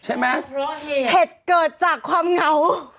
ใช่ไหมเหตุเกิดจากความเหงา